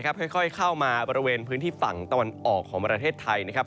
ค่อยเข้ามาบริเวณพื้นที่ฝั่งตะวันออกของประเทศไทยนะครับ